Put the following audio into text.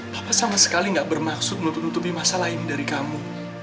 bapak sama sekali gak bermaksud menutupi masalah ini dari kamu